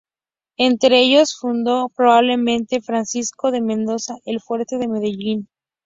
Entre ellos fundó probablemente Francisco de Mendoza el fuerte de Medellín.